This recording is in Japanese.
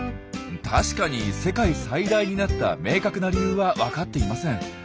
確かに世界最大になった明確な理由は分かっていません。